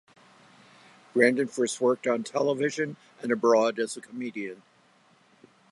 Brandon first worked on television and abroad as a comedian.